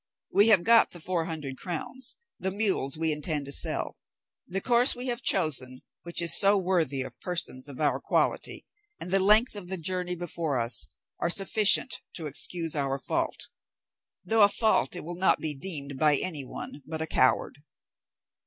We have got the four hundred crowns; the mules we intend to sell. The course we have chosen, which is so worthy of persons of our quality, and the length of the journey before us, are sufficient to excuse our fault, though a fault it will not be deemed by any one but a coward.